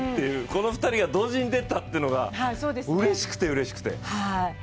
この２人が同時に出たっていうのがうれしくてうれしくて。